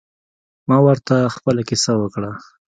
ما ورته خپله کیسه وکړه.